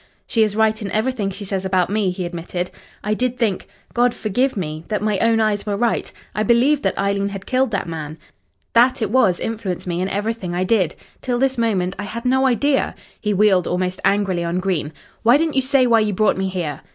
"She is right in everything she says about me," he admitted. "I did think God forgive me! that my own eyes were right. I believed that Eileen had killed that man. That it was influenced me in everything I did. Till this moment, I had no idea " He wheeled almost angrily on Green. "Why didn't you say why you brought me here?"